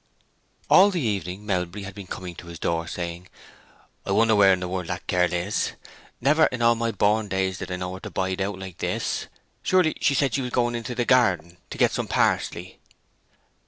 All the evening Melbury had been coming to his door, saying, "I wonder where in the world that girl is! Never in all my born days did I know her bide out like this! She surely said she was going into the garden to get some parsley."